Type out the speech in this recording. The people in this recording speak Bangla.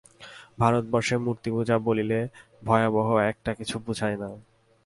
ভারতবর্ষে মূর্তিপূজা বলিলে ভয়াবহ একটা কিছু বুঝায় না।